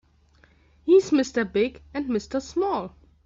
He's Mr. Big and Mr. Small.